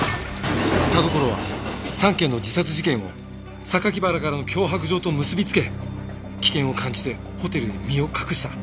田所は３件の自殺事件を原からの脅迫状と結び付け危険を感じてホテルへ身を隠した。